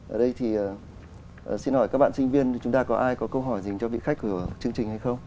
ở đây thì xin hỏi các bạn sinh viên chúng ta có ai có câu hỏi dành cho vị khách của chương trình hay không